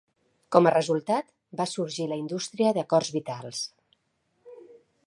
Com a resultat, va sorgir la indústria d'acords vitals.